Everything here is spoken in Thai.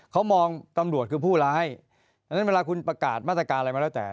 เขามองตำรวจคือผู้ร้ายดังนั้นเวลาคุณประกาศมาตรการอะไรมาแล้วแต่